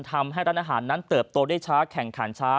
ทำให้ร้านอาหารนั้นเติบโตได้ช้าแข่งขันช้า